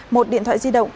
một điện thoại di động